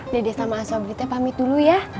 dede sama sobri teh pamit dulu ya